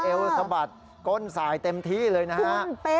สะบัดก้นสายเต็มที่เลยนะฮะ